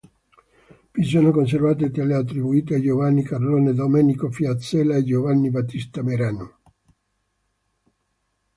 Vi sono conservate tele attribuite a Giovanni Carlone, Domenico Fiasella e Giovanni Battista Merano.